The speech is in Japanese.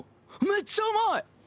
めっちゃうまい！